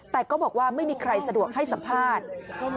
แต่ก็บอกว่าไม่มีใครสะดวกให้สัมภาษณ์